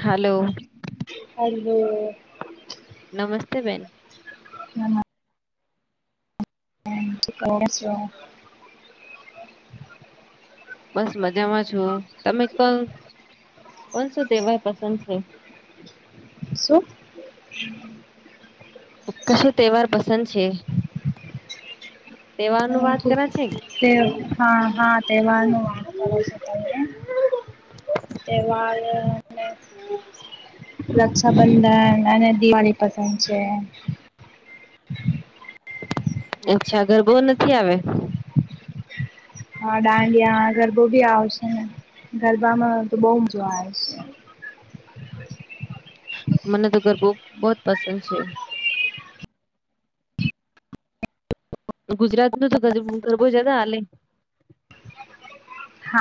Hello hello નમસ્તે બેન. [inaudible] [unintelligible] બસ મજામાં છો તમે ક કોન શું તહેવાર પસંદ છે. શું? કશું તહેવાર પસંદ છે? તહેવાર નું વાત હ કરે છે તે હા હા તેવારનું [inaudible] તેવાર રક્ષાબંધન અને દિવાળી પસંદ છે. અચ્છા ગરબો નથી આવે? હા ડાંગિયા ગરબો બી આવશે ને. ગરબામાં તો બહ મજા આવે છે. મને ગરબો બહ જ પસંદ છે. ગુજરાત ન તો ગરબો છે ત હાલે. હા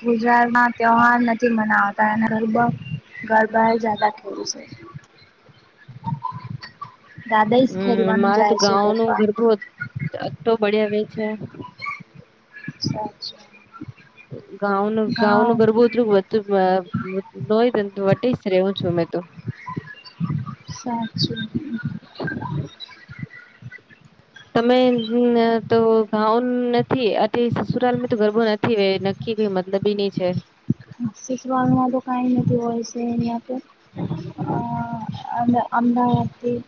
ગુજરાતમાં તહેવાર નથી મનાવતારા ગરબા એ જતા ખડ છે. [inaudible] દાદા જ હમ ખેલવાનું મારે તો જાય છે ગાંવ નું ગરબા ગરબું અટોલો બડીયા આવે છે. છે. ગનું ગાંનું ગરબુંતરું નય વ જ રવું છું. તો સાત શ્રી તમે તો ગાઉ નથી આ સસુરાાલ તો ગરબો નથી નક્કી મતલબી ની છે સસુરાલ મા તો કં નથી હોય છે અયા તો અન અમદાવાદ થી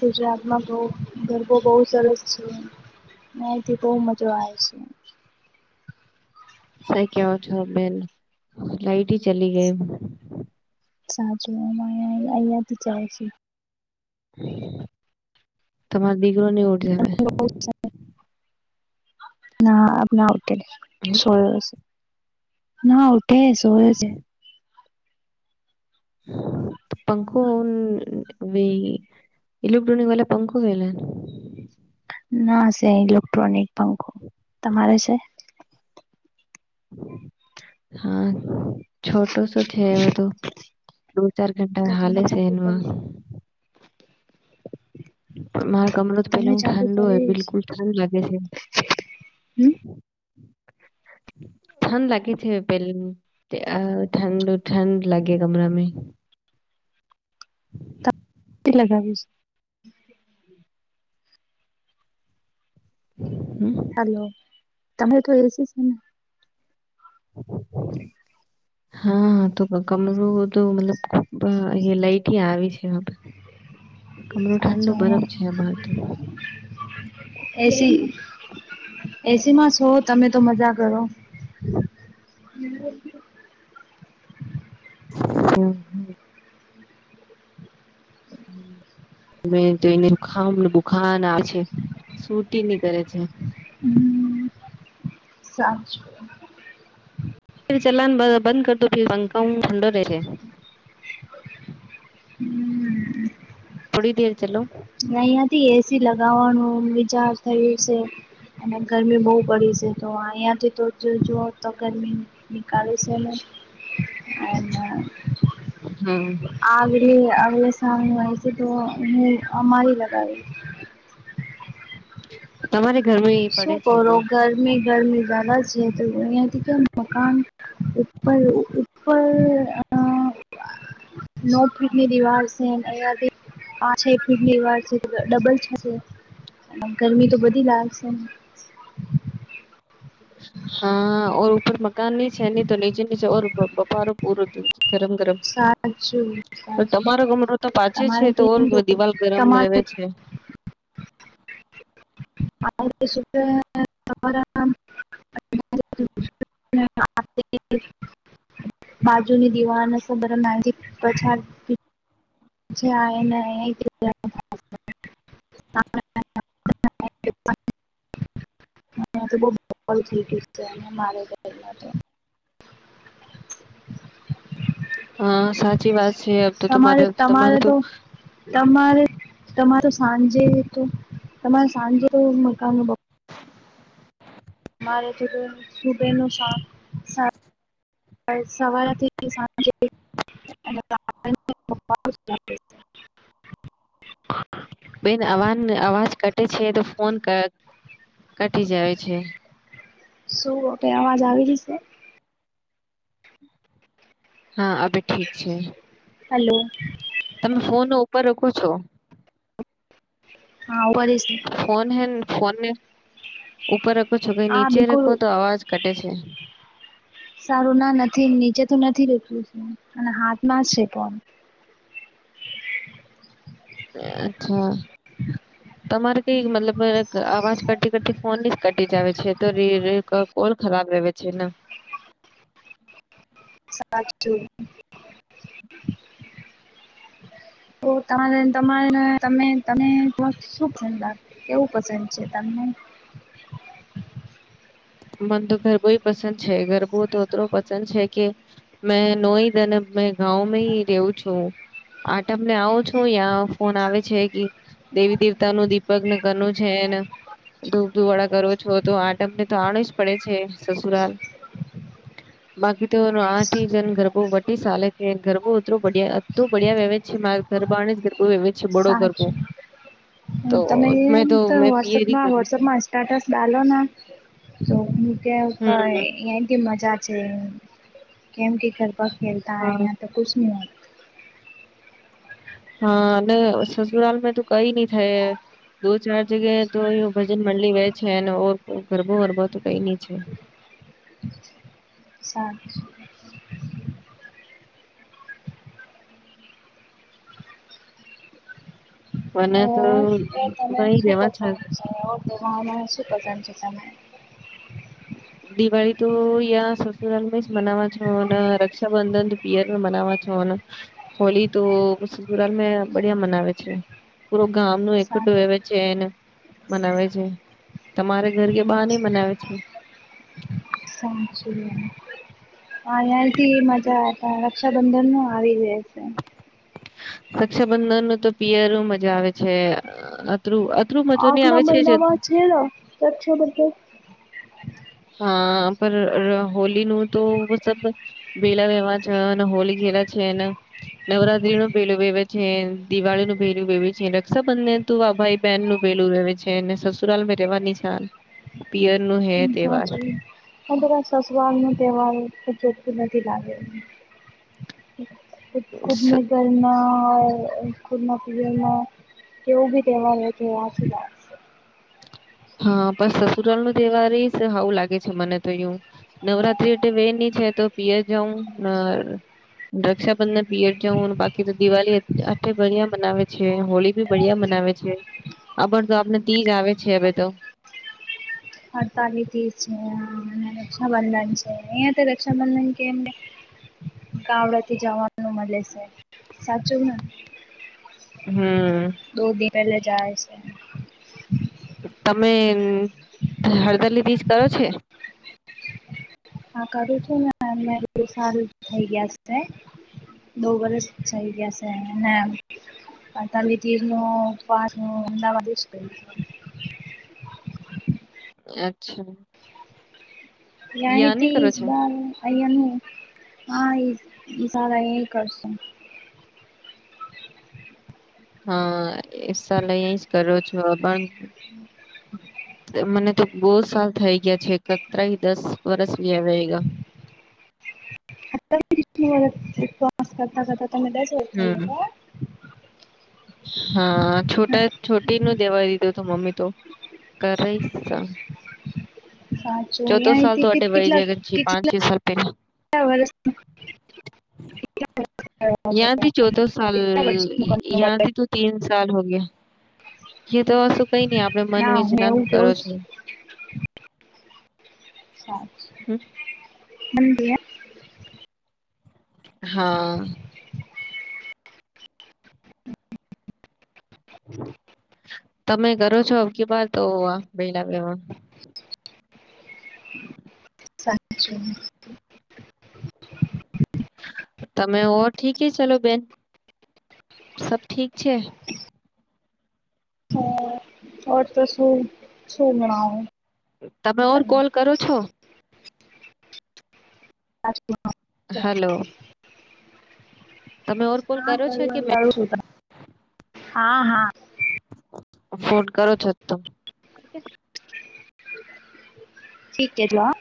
ગુજરાતમાં બહ ગરબો બહુ સરસ છે નાથી બહુ મજા આવે છે સા કેવ છો બેન લાઈટ હ ચલી ગઈ સાચુંં અહીયાથી જાય છે તમારો દીકરો ની ઉઠે હવે ના આપ ના ઉઠે સોયો છે ના [unintelligible] પંખો વી ઇલોક્રોનિક વાા પંખો વેલા. ના સ ઇલેક્ટ્રોનિક પંખો તમારે છે. હા છોટું શું છે એ બધું. દો ચાર ઘંટા તો હલે તમે છે ચાલુ એનુંમાં. કરીશ પણ મારો કમરો તો તમે પેલા હું ચાલુ ઠંડો હોય કરીશ બિલકુલ ઠંડ લાગે છે. [inaudible] હમ? ઠંડ લાગી છે પે ઠંડ ઠંડ લાગે કમરામાં. [inaudible] લગાવીશ. હમ. હલો તમે તો એસી છ ને. હા તો કમરો તો મતલબ બ એ લઈટી આવી છે આપ. હાછ અમારે તો. એસી [inaudible] એસી માં છો તમે તો મજા કરો [unintelligible] [unintelligible] [inaudible] મે તો એને બુખાન આવે છે સુૂટી નહી કરે છે હમ્મ સાચું ફ ચલાન બંધ કરતો પંખા હું ઠંડો રહેશે થોડી દેર ચલો અહયાથી એસી લગાવવાનું વિચાર થયું છે અને ગરમી બહુ પડી છે તો અહિયાં થી તો જુઓ તો ગરમી નીકાલે છેને હમ્મ કે અગલે શામને હોય છે તો હ અમારી લગાવી તમારે ઘરમાં એ શું પડે છે કરો બહુ. ગરમી ગરમી જદા છે તો અહીંયા થી તો મકાન ઉપર ઉપર નવપીટની દિવાજ [unintelligible] [unintelligible] ગરમી, તો બધી લાગશેને હા ઓર ઉપર મકાન ની છે, ન તો નીચે નીચે ઓ બપારો પૂરો ગરમ, ગરમ સાચું સાચું તમારો કમરો તો પાચે છે, તમારે તો ઓર કેમ દિવાલ ગરમ રહે તમારે છે [unintelligible] [inaudible] બાજુની દિવાન તો [unintelligible] પછાર [inaudible] તો બ બ ગ છે, અને મારે ઘરમાં હા, સાચી વાત છે, આ તો તમારે તમારે, તો તમારે તમાર સાંજે, તો તમારો સાંજે મકનો સબે નુ સા સવાથી [inaudible] બેન અવા અવાજ કટે છે તો ફોન કર કટી જાય છે. શું અવાજ, આવી રી શે હા, અભી ઠીક છે. હલો. તમે ફોન ઉપર રકો છો. હા, ઉપર ઇસી છે. ફોન હે ફોનને ઉપર રખો છો, કે હા નીચે બિલકુલ રખો તો અવાજ કટે છે. સારુંના નથી, નીચે નથી રું અને હાથમાં છે ફોન એ અચ્છા તમારે કઈ મતલબ અવાજ કરતી, કરતી ફોનની જ કટી જ આવે છે. રીર કોલ ખરાબ રહે છેને. સાત જોો. તો ત ત શું પસાગ કેવું પસંદ છે, તમને મને તો ગરબો પસંદ છે, ગરબો તો એું પસંદ છે, કે મેં નોહી અને મે ગઉંમાં રહવું છું. આટમને આવો છું, યાં ફોન આવે છે કે દેવી દેવતા નું દીપક નગર નું છે. ધૂપધુવાળા કરો છો, તો આટમને તોાણ જ પડે છે, સસુરાલ બાકી તો આઠ જન ગરબો વી ચાલે છે, ગરબો એું બિયા અું બડિયા વહે છે, મા ગરબાને જ ગરબો એમ છે, બડો ગરબો સાચું તો તમે મેં એમ તો મેં પીએરી વટસપમાં કરું છું વોટસઅપમાં સ્ટેટસ ડાલો. તો હ હમ એથી મજા છે, કેમ કે કર ખેલતા હ હા યા તો કશ નહી હોય હા, અને સસુરાલ મે તું કઈ નઈ થઈ. દો ચાર જગ્યાએ, તો એ ભજન મંલી વે છે, અને ઓ ગરબો વરબો તો કઈ નઈ છે. હા. મને તો ઓર પસંદ વહી રેવા છે છે પસંદ છે દિવાળી તો યા સસુરાલમાં જ મનાવા છો અને રક્ષાબંધન પિયર મનાવા છો હોલી તો સુરાલ બિયા મનાવે છે પ ગામનું એક સાંજ ટોએ વ એન મનાવે છે તમારે ઘર કે બહાર નની મનાવે છે હ જ હા ત્યાથી મજા રક્ષાબંધન નું આવી જ છે. રક્ષાબંધન નું તો પિયરું મજા આવે છે અતરું મજો નહી આગલા આવે મહિનામાં છે રક્ષાબંધન. હા પર હોલીનું તો સબ બેેલા વ્યવાહજ અને હોલ છે એને નવરાત્રી નું પહેલું વહેવે છે દિવાળી નું પહેલું વવે છે રક્ષાબંધન તું વાભાઈ બહેન નું વેલું ર છે ને સસુરાલમાં રહેવા નિશાન પિયર નું હે તહેવાર. સાચવી અધર સસુવાર ન તહેવાાર ચ નથીથી લાગે ખુદને કરરના ખુર્માં પૂજનમાં કેવો બી તહેવાર તહેવાથી લ છે. હા પણ સસુરાલ નો તહેવાર આવું લાગે છે મને તો એ નવરાત્રી એ વે છે તો પીએ જઉં રક્ષાબંધન પિયર જઉું બાકી તો દિવાળી આલી બિયા મનાવે છે હોળી બી બિયા મ આણ તો આપને તીજ આવે છે હવે તો હડતાલીથી છે રક્ષાબંધન છે અહિયાં તો રક્ષાબંધન કેમ ગાવડા થી જવાનું મળે છે સાચું ને હમ દો દિન પહેલે જાય છે તમે હળદરલી બીજ કરો છે હા કરું છું ને અ સારું થઈ ગયા છે બો વરસ થઈ ગયા છે ને તલી તીરનું પાારનો એવા અચ્છા યા ની કરો છો? [unintelligible] અહીનું હા એ સારા એ કરશો. હા એ સલે એ જ કરો છો પણ મને તો બહ સાલ થઈ ગયા છે એકત્ર દસ વર્સ લ્યા ગ [inaudible] હમ [unintelligible] હા છોટા છોટી નું દેવા દીધું તો મમ્મી તો કરૈસ. સાચું ચૌથો સાલ અહીંથી તોડે વય કેટલા જગનજી પાંચ છ સાલ પહેલા કેટલા વર્ષ યાથી ચોથો સલ કેટલા વર્ષ યાથી તો તીન સલ હો ગયા એ તો શું કઈ નઈ આપડે મન ના હું વિજ્ઞાન એવું કરો કેવું છો. હમ [unintelligible] હા [inaudible] તમે કરો છો અકી બાર તો આ બેેલા [inaudible] સા તમે ઓ ઠીક હ ચલો બેન. સબ ઠીક છે? હ તો શું શું બણાઓ તમે ઓર, કોલ કરો છો? હા કરું હલો! તમે ઓર કોલ કરો છો કે મે હા, હા હા. ફોન કરો છો, ત ઠીક કે જ વા